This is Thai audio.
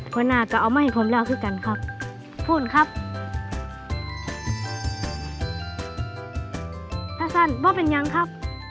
หัวหน้าก็ออกมาให้ผมเล่าอขึ้นกันครับ